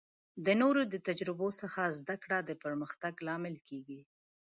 د نورو د تجربو څخه زده کړه د پرمختګ لامل کیږي.